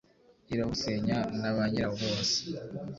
irawusenya na banyirawo bose